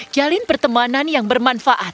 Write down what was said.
jalinkan pertemanan yang bermanfaat